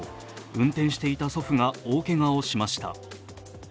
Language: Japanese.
運転していた祖父が大けがをしました。